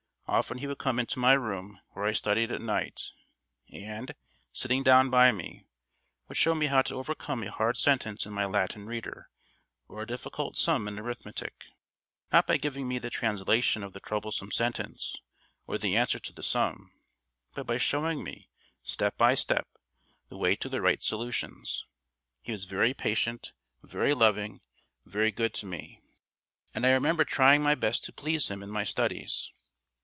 Often he would come into my room where I studied at night, and, sitting down by me, would show me how to overcome a hard sentence in my Latin reader or a difficult sum in arithmetic, not by giving me the translation of the troublesome sentence or the answer to the sum, but by showing me, step by step, the way to the right solutions. He was very patient, very loving, very good to me, and I remember trying my best to please him in my studies.